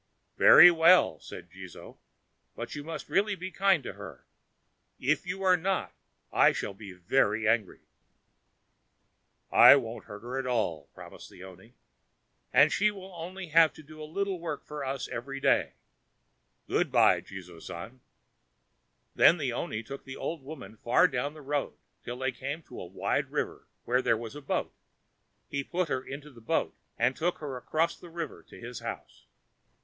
"Very well," said Jizō, "but you must really be kind to her. If you are not, I shall be very angry." "I won't hurt her at all," promised the oni; "and she will only have to do a little work for us every day. Good by, Jizō San." Then the oni took the old woman far down the road till they came to a wide deep river, where there was a boat. He put her into the boat, and took her across the river to his house.